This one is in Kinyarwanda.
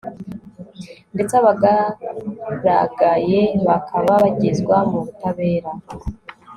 ndetse abagaragaye bakaba bagezwa mu butabera